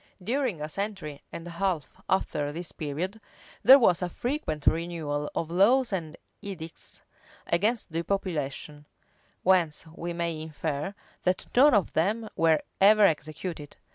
During a century and a half after this period, there was a frequent renewal of laws and edicts against depopulation; whence we may infer, that none of them were ever executed.